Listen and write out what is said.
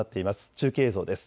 中継映像です。